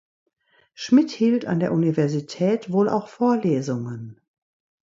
Schmidt hielt an der Universität wohl auch Vorlesungen.